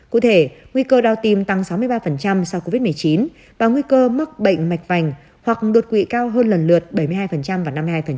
cụ thể nguy cơ đau tim tăng sáu mươi ba sau covid một mươi chín và nguy cơ mắc bệnh mạch vành hoặc đột quỵ cao hơn lần lượt bảy mươi hai vào năm hai